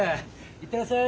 行ってらっしゃい！